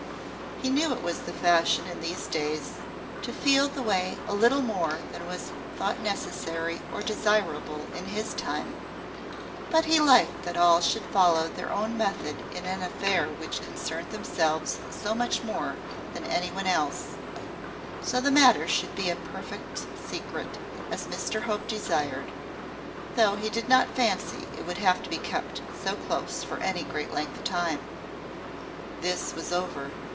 He knew it was the fashion in these days to feel the way a little more than was thought necessary or desirable in his time: but he liked that all should follow their own method in an affair which concerned themselves so much more than any one else: so the matter should be a perfect secret, as Mr Hope desired; though he did not fancy it would have to be kept so close for any great length of time. This was over.